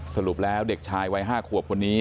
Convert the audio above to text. สรุปแล้วเด็กชายวัย๕ขวบคนนี้